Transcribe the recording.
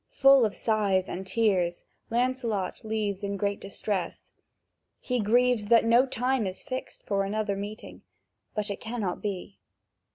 Full of sighs and tears, Lancelot leaves in great distress. He grieves that no time is fixed for another meeting, but it cannot be.